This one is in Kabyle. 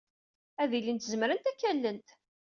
Ad ilint zemrent ad k-allent.